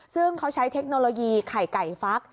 ซึ่งเขาใช้เทคโนโลยีไข่ไก่ฟัก